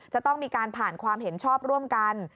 จะต้องมีการผ่านความเห็นชอบร่วมกัน